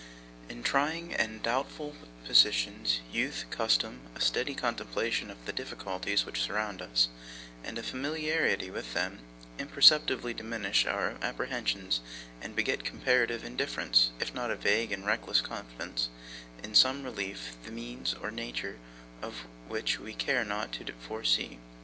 In trying and doubtful positions, youth, custom, a steady contemplation of the difficulties which surround us, and a familiarity with them, imperceptibly diminish our apprehensions and beget comparative indifference, if not a vague and reckless confidence in some relief, the means or nature of which we care not to foresee.